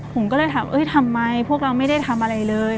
ผมก็เลยถามทำไมพวกเราไม่ได้ทำอะไรเลย